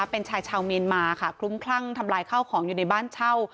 เป็นชายชาวเมียนมาค่ะคลุ้มคลั่งทำลายข้าวของอยู่ในบ้านเช่า